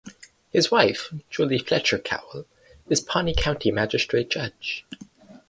His wife Julie Fletcher Cowell is Pawnee County magistrate judge.